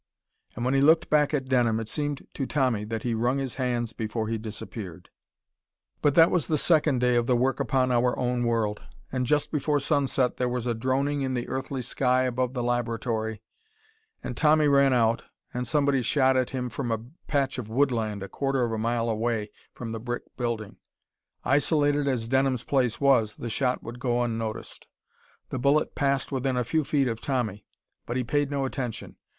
And when he looked back at Denham, it seemed to Tommy that he wrung his hands before he disappeared. But that was the second day of the work upon our own world, and just before sunset there was a droning in the earthly sky above the laboratory, and Tommy ran out, and somebody shot at him from a patch of woodland a quarter of a mile away from the brick building. Isolated as Denham's place was, the shot would go unnoticed. The bullet passed within a few feet of Tommy, but he paid no attention.